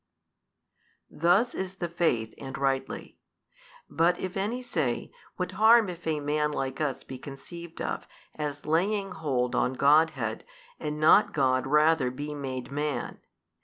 Thus is the faith and rightly. But if any say, What harm if a man like us be conceived of as laying hold on Godhead and not God rather be made man?